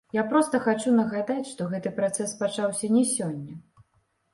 Я проста хачу нагадаць, што гэты працэс пачаўся не сёння.